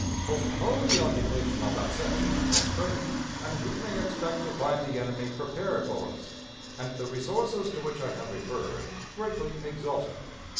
Postpone the occupation of that section until spring, and we may expect to find the enemy prepared for us, and the resources to which I have referred greatly exhausted.